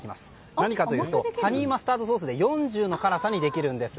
何かというとハニーマスタードソースで４０の辛さにできるんです。